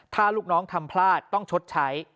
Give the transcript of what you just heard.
ถ้าลูกน้องทำพลาดต้องชดใช้